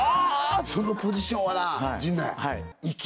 今そのポジションはな陣内息